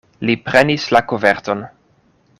Li prenis la koverton.